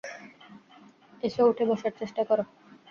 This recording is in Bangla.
এসো, উঠে বসার চেষ্টা কর।